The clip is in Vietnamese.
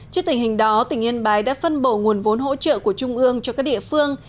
trước tình hình đó tỉnh yên bái đã phân bổ nguồn vốn hỗ trợ của trung ương cho các địa phương